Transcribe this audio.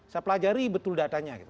saya pelajari betul datanya